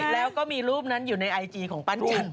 แล้วก็มีรูปนั้นอยู่ในไอจีของปั้นจัน